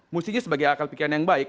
mestinya sebagai akal pikiran yang baik